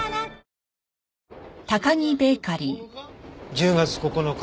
１０月９日